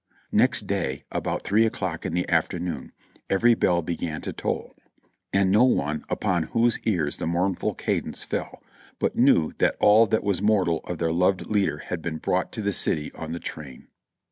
Next day, about three o'clock in the afternoon, every bell be gan to toll, and no one upon whose ears the mournful cadence fell but knew that all that was mortal of our loved leader had been brought to the city on the train.